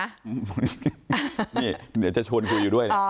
นี่เดี๋ยวจะชวนคุยอยู่ด้วยนะ